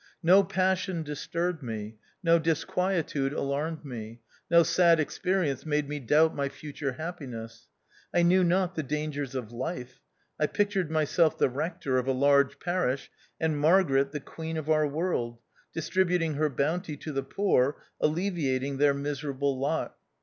No passion disturbed me ; no disquietude alarmed me ; no sad experience made me doubt my future happi ness. I knew not the dangers of life. I pictured myself the rector of a large parish, and Margaret the queen of our world, dis tributing her bounty to the poor, alleviat ing their miserable lot.